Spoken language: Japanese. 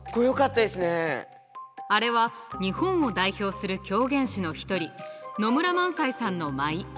あれは日本を代表する狂言師の一人野村萬斎さんの舞。